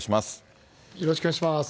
よろしくお願いします。